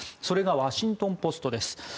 それがワシントン・ポストです。